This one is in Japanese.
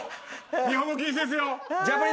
日本語禁止ですよ。